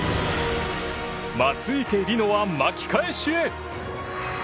松生理乃は巻き返しへ！